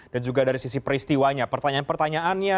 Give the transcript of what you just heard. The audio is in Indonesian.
dan juga dari sisi peristiwanya pertanyaan pertanyaannya